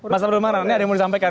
mas abdelmaran ada yang mau disampaikan